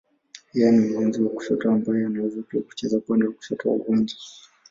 Yeye ni mlinzi wa kushoto ambaye anaweza pia kucheza upande wa kushoto wa uwanja.